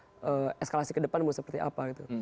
yang terkait dengan eskalasi ke depan seperti apa gitu